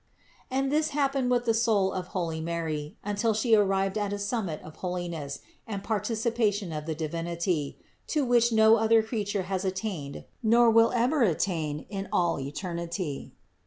And this happened with the soul of holy Mary, until She arrived at a summit of holiness and participation of the Divinity, to which no other creature has attained nor will ever attain in all eternity.